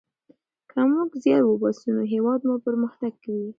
که موږ زیار وباسو نو هیواد مو پرمختګ کوي.